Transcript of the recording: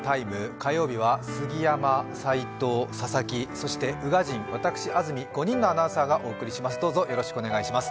火曜日は杉山、齋藤、佐々木、そして宇賀神、私・安住、５人のアナウンサーがお送りします。